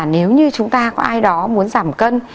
nếu như chúng ta có ai đó muốn giảm cân